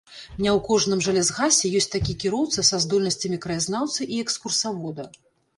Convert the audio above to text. Не ў кожным жа лясгасе ёсць такі кіроўца са здольнасцямі краязнаўцы і экскурсавода!